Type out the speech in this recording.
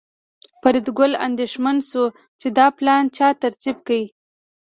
فریدګل اندېښمن شو چې دا پلان چا ترتیب کړی